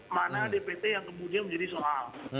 mana dpt yang kemudian menjadi soal